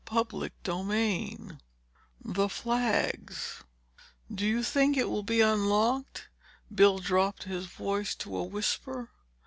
Chapter XVIII THE FLAGS "Do you think it will be unlocked?" Bill dropped his voice to a whisper.